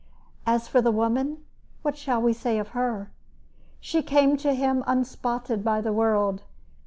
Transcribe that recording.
As for the woman, what shall we say of her? She came to him unspotted by the world.